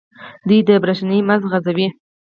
دوی د بریښنا مزي غځوي.